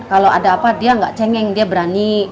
kalau ada apa dia nggak cengeng dia berani